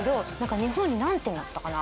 日本に何点だったかな？